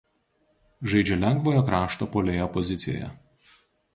Žaidžia lengvojo krašto puolėjo pozicijoje.